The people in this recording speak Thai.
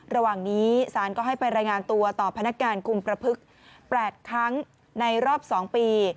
ระหว่างนี้ศาลก็ให้ไปรายงานตัวต่อพนักงานคุมประพฤกษ์๘ครั้งในรอบ๒ปี